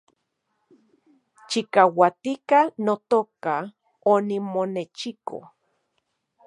Chikauatika, notoka , onimonechiko